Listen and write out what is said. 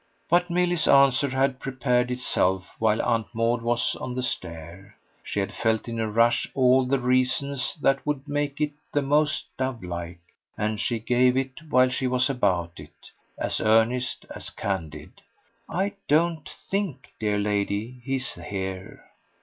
But Milly's answer had prepared itself while Aunt Maud was on the stair; she had felt in a rush all the reasons that would make it the most dovelike; and she gave it, while she was about it, as earnest, as candid. "I don't THINK, dear lady, he's here."